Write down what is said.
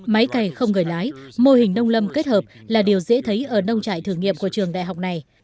máy cày không người lái mô hình nông lâm kết hợp là điều dễ thấy ở nông trại thử nghiệm của trường đại học này